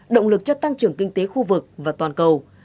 động lực cho tăng trưởng kinh tế khu vực và toàn cầu